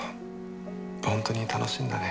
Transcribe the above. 本当に楽しいんだね。